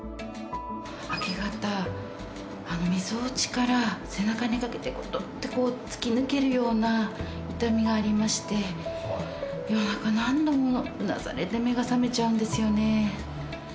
明け方みぞおちから背中にかけてドンってこう突き抜けるような痛みがありまして夜中何度もうなされて目が覚めちゃうんですよね